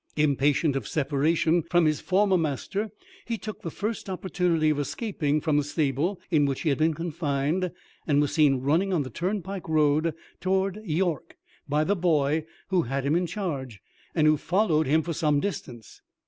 Impatient of separation from his former master, he took the first opportunity of escaping from the stable in which he had been confined, and was seen running on the turnpike road towards York by the boy who had him in charge, and who followed him for some distance.